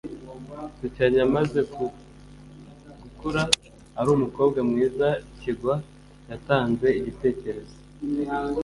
sukiranya amaze gukura ari umukobwa mwiza, kigwa yatanze igitekerezo